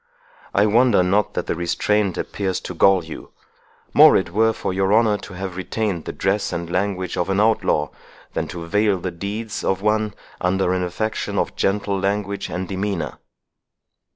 I wonder not that the restraint appears to gall you—more it were for your honour to have retained the dress and language of an outlaw, than to veil the deeds of one under an affectation of gentle language and demeanour."